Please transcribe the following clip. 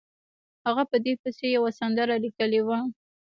هغه په دې پسې یوه سندره لیکلې وه.